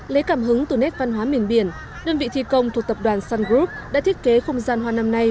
lấy cảm hứng từ nét văn hóa miền biển đơn vị thi công thuộc tập đoàn sun group đã thiết kế không gian hoa năm nay